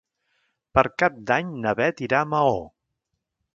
Per Cap d'Any na Beth irà a Maó.